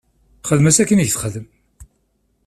Xdem-as akken i k-texdem.